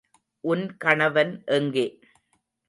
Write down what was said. உன் கணவன் எங்கே?